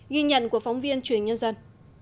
ghi nhận của phóng viên truyền nhân dân